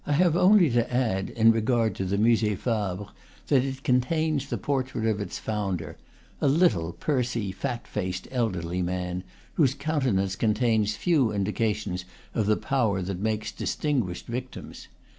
I have only to add, in regard to the Musee Fabre, that it contains the portrait of its founder, a little, pursy, fat faced, elderly man, whose countenance con tains few indications of the power that makes distin guished victims.